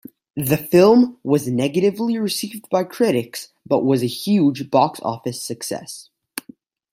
The film was negatively received by critics but was a huge box office success.